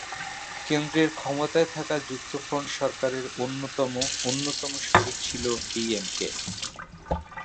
কেন্দ্রের ক্ষমতায় থাকা যুক্তফ্রন্ট সরকারের অন্যতম অন্যতম শরিক ছিল ডিএমকে।